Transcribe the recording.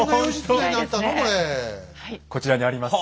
こちらにあります。